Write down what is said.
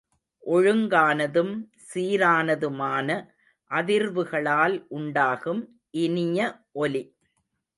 ஒழுங்கானதும் சீரானதுமான அதிர்வுகளால் உண்டாகும் இனிய ஒலி.